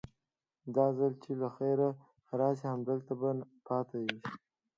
دا ځل چې له خيره راسي همدلته به پاته سي.